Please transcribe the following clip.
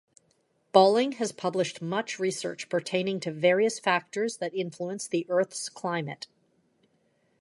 Balling has published much research pertaining to various factors that influence the Earth's climate.